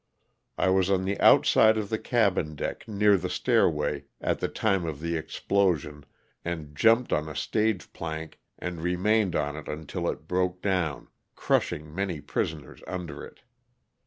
I wss on the outside of the cabin deck near the stairway at the time of the explosion and jumped on a stage plank and remained on it until it broke down, crushing many prisoners under it.